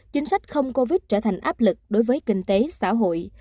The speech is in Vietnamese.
chính sách không covid trở thành áp lực đối với kinh tế xã hội